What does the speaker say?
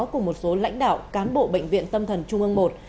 của một số lãnh đạo cán bộ bệnh viện tâm thần trung ương i